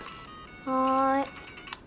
はい。